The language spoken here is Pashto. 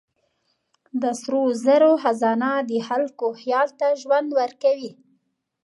د سرو زرو خزانه د خلکو خیال ته ژوند ورکوي.